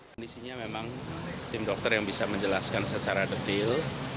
kondisinya memang tim dokter yang bisa menjelaskan secara detil